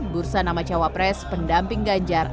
bursa nama cawapres pendamping ganjar